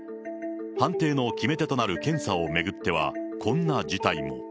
判定の決め手となる検査を巡っては、こんな事態も。